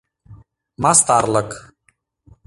Мастарлык